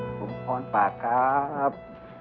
ผมขอบปากครับ